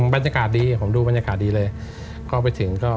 บรรยากาศดีผมดูบรรยากาศดีเลย